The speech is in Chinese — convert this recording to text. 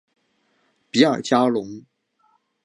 比尔加龙。